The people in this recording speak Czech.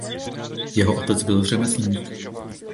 Jeho otec byl řemeslník.